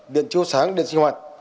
điện chiêu sáng điện sinh hoạt